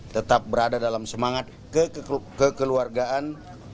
tetap berada dalam semangat kekeluargaan